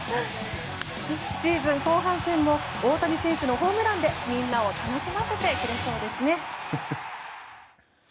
シーズン後半戦も大谷選手のホームランでみんなを楽しませてくれそうですね。